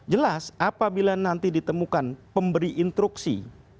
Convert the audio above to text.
jelas apabila nanti ditemukan pemberi instruksi